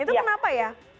itu kenapa ya